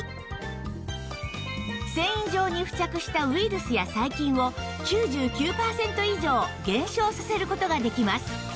繊維上に付着したウイルスや細菌を９９パーセント以上減少させる事ができます